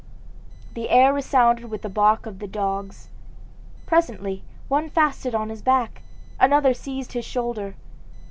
The air resounded with the bark of the dogs. Presently one fastened on his back, another seized his shoulder.